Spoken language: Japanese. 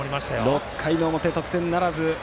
６回の表得点ならず。